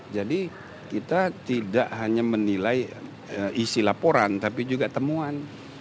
jadi kita tidak hanya menilai isi laporan tapi juga temuan